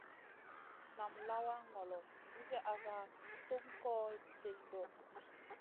Nam lawa ŋolo nizi asa tum koh til ɗoʼ.